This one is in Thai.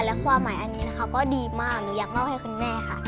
และความหมายอันนี้นะคะก็ดีมากหนูอยากมอบให้คุณแม่ค่ะ